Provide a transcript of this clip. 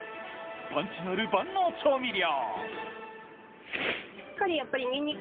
パンチのある万能調味料！